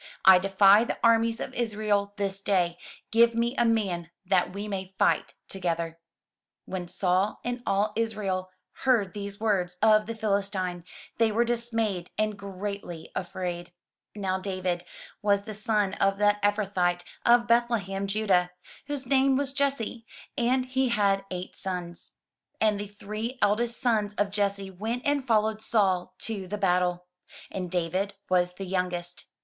I defy the armies of Israel this day; give me a man, that we may fight together.*' When Saul and all Israel heard these words of the Philistine, they were dismayed, and greatly afraid. 257 MY BOOK HOUSE Now David was the son of that Ephrathite of Bethlehem judah, whose name was Jesse; and he had eight sons. And the three eldest sons of Jesse went and followed Saul to the battle. And David was the youngest.